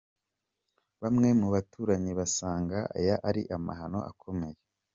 Bamwe mu baturanyi basanga aya ari amahano akomeye.